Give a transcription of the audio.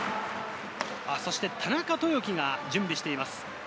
そして田中豊樹が準備しています。